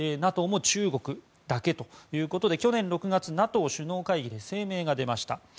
ＮＡＴＯも中国だけということで去年６月、ＮＡＴＯ首脳会議で声明が出ました。